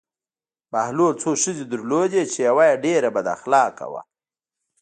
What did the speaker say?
بهلول څو ښځې درلودې چې یوه یې ډېره بد اخلاقه وه.